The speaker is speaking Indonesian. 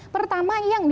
pertama yang disampaikan